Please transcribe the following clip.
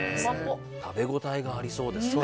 食べ応えがありそうですね。